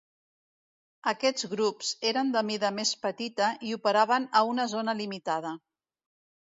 Aquests grups eren de mida més petita i operaven a una zona limitada.